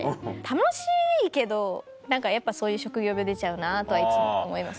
楽しいけど何かやっぱそういう職業病出ちゃうなとはいつも思います。